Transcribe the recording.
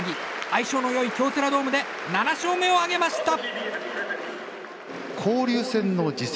相性の良い京セラドームで７勝目を挙げました。